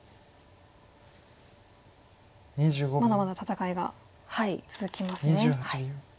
まだまだ戦いが続きますね。